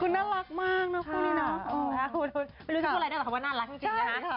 ก็เราก็แบบคุยกันโปรกัสกันที่งานอะไรมากกว่าอะไรอย่างนี้